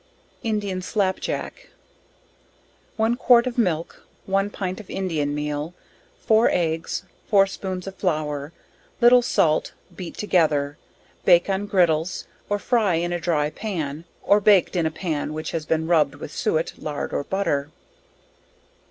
Indian Slapjack. One quart of milk, 1 pint of indian meal, 4 eggs 4 spoons of flour, little salt, beat together, baked on gridles, or fry in a dry pan, or baked in a pan which has been rub'd with suet, lard or butter.